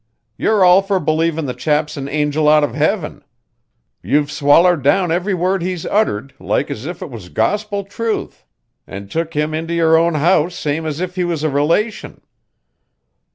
You're all fur believin' the chap's an angel out of heaven. You've swallered down every word he's uttered like as if it was gospel truth, an' took him into your own house same's if he was a relation.